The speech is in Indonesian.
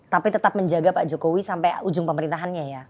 tapi tetap menjaga pak jokowi sampai ujung pemerintahannya ya